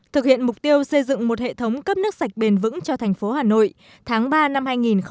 thực hiện mục tiêu xây dựng một hệ thống cấp nước sạch bền vững cho thành phố hà nội tháng ba năm hai nghìn hai mươi